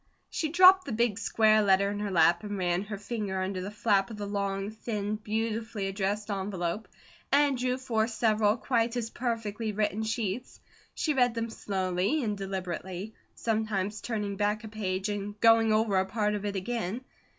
She dropped the big square letter in her lap and ran her finger under the flap of the long, thin, beautifully addressed envelope, and drew forth several quite as perfectly written sheets. She read them slowly and deliberately, sometimes turning back a page and going over a part of it again.